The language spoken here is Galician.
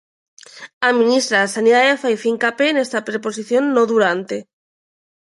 A ministra de Sanidade fai fincapé nesta preposición, no durante.